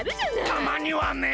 たまにはね！